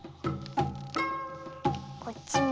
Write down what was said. こっちも。